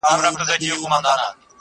نه ملکانو څه ویل نه څه ویله مُلا!